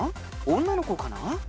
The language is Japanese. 女の子かな？